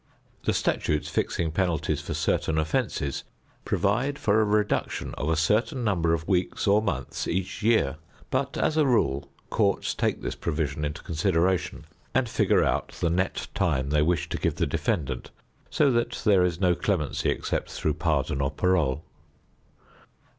The statutes fixing penalties for certain offenses provide for a reduction of a certain number of weeks or months each year, but as a rule courts take this provision into consideration and figure out the net time they wish to give the defendant so that there is no clemency except through pardon or parole.